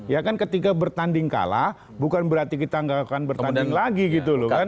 ya kan ketika bertanding kalah bukan berarti kita nggak akan bertanding lagi gitu loh kan